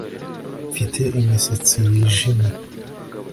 Mfite imisatsi yijimye